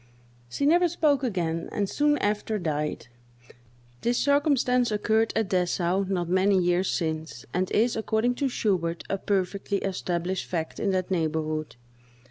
She never spoke again, and soon after died. This circumstance occurred at Dessau, not many years since, and is, according to Schubert, a perfectly established fact in that neighborhood.